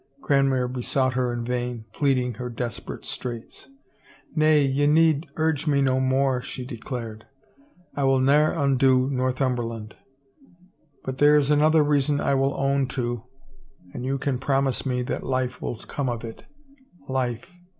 Cranmer besought her in vain, pleading her desperate straits. " Nay, ye need urge me no more," she declared, I will ne'er undo Northumberland. But there is another reason I will own to, — an you can promise me that life will come of it. Life!